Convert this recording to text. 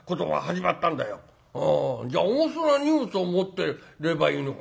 「あじゃあ重そうな荷物を持ってればいいのか」。